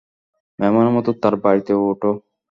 মেহমানের মত তাঁর বাড়িতে ওঠ।